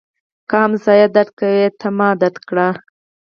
که ګاونډی درد کوي، تا مه درد کړه